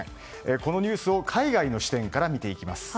このニュースを海外の視点から見ていきます。